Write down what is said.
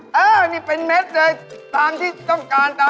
ผนปลูกหนูของคุณกิน